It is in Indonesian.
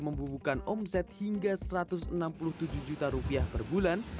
membubuhkan omset hingga satu ratus enam puluh tujuh juta rupiah per bulan